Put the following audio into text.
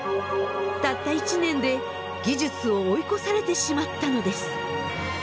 たった１年で技術を追い越されてしまったのです。